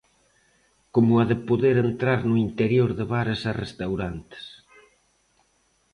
Como a de poder entrar no interior de bares e restaurantes.